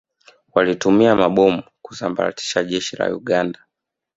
Walitumia mabomu kulisambaratisha Jeshi la Uganda